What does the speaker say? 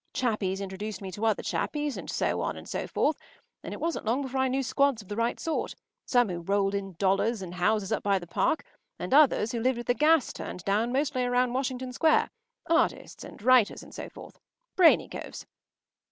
Chappies introduced me to other chappies, and so on and so forth, and it wasn’t long before I knew squads of the right sort, some who rolled in dollars in houses up by the Park, and others who lived with the gas turned down mostly around Washington Square—artists and writers and so forth. Brainy coves.